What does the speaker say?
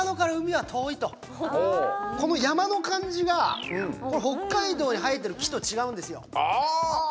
この山の感じが北海道に生えてる木と違うんですよ。